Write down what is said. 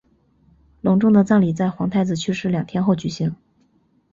隆重的葬礼在皇太子去世两天后举行。